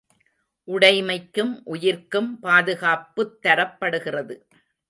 உடைமைக்கும் உயிர்க்கும் பாதுகாப்புத் தரப்படுகிறது.